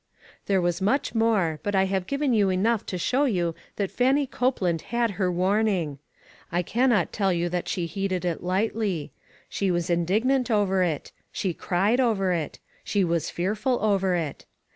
There was much more, but I have given you enough to show you that Fannie Cope land had her warning. I can not tell you that she heeded it lightly. She was indig nant over it; she cried over it; she was fearful over it.